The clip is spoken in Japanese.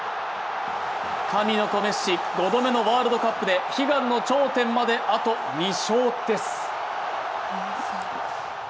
神の子メッシ、５度目のワールドカップで悲願の頂点まであと２勝です。